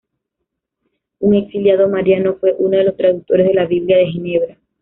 Un exiliado mariano, fue uno de los traductores de la Biblia de Ginebra.